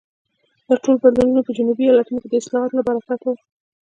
دا ټول بدلونونه په جنوبي ایالتونو کې د اصلاحاتو له برکته وو.